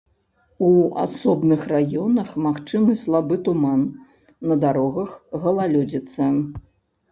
У асобных раёнах магчымы слабы туман, на дарогах галалёдзіца.